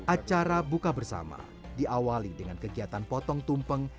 acara buka bersama diawali dengan kegiatan potong tumpeng